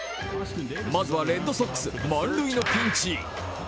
まずはレッドソックス、満塁のピンチ。